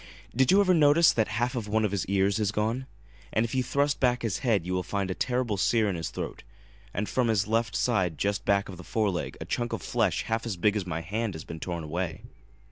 Did you ever notice that a half of one of his ears is gone? And if you thrust back his head you will find a terrible sear in his throat, and from his left side just back of the fore leg a chunk of flesh half as big as my hand has been torn away.